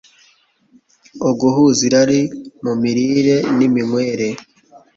Uguhaza irari mu mirire n’iminywere